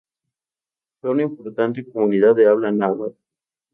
Fue una importante comunidad de habla náhuatl.